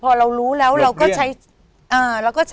พี่น้องรู้ไหมว่าพ่อจะตายแล้วนะ